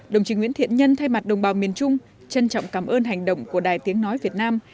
đồng chí nguyễn thiện nhân thay mặt đồng bào miền trung trân trọng cảm ơn hành động của đài tiếng nói việt nam